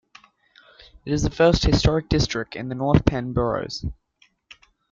It is the first Historic District in the North Penn boroughs.